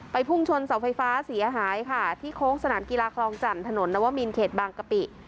พุ่งชนเสาไฟฟ้าเสียหายค่ะที่โค้งสนามกีฬาคลองจันทร์ถนนนวมินเขตบางกะปิ